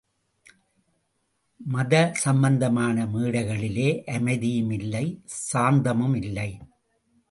மதசம்பந்தமான மேடைகளிலோ அமைதியும் இல்லை சாந்தமும் இல்லை.